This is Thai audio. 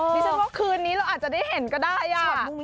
ดิฉันว่าคืนนี้เราอาจจะได้เห็นก็ได้